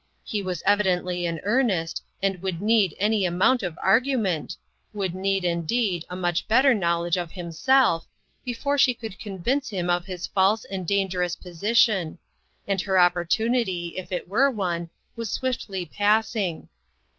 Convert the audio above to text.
He was evidently in earnest, and would need any amount of argument would need, in deed, a much better knowledge of himself before she could convince him of his false and dangerous position ; and her opportu nity, if it were one, was swiftly passing.